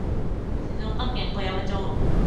静岡県小山町